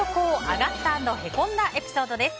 アガった＆へこんだエピソードです。